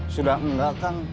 sudah enggak kang